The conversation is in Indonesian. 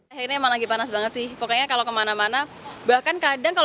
akhirnya emang lagi panas banget sih pokoknya kalau kemana mana